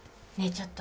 ちょっと。